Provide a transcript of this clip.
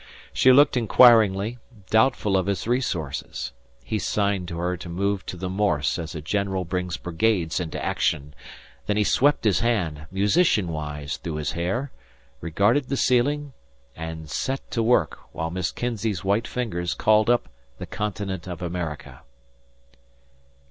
She looked inquiringly, doubtful of his resources. He signed to her to move to the Morse as a general brings brigades into action. Then he swept his hand musician wise through his hair, regarded the ceiling, and set to work, while Miss Kinzey's white fingers called up the Continent of America.